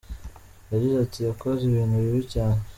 Yagize ati “Yakoze ibintu bibi cyane.